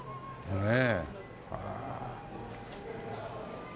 ねえ。